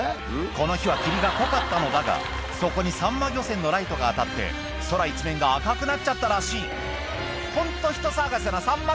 この日は霧が濃かったのだがそこにサンマ漁船のライトが当たって空一面が赤くなっちゃったらしいホント人騒がせなサンマ